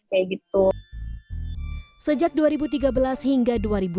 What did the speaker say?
sejak dua ribu tiga belas hingga dua ribu sembilan belas